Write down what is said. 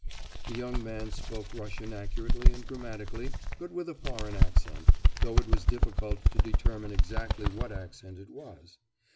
The young man spoke Russian accurately and grammatically but with a foreign accent, though it was difficult to determine exactly what accent it was.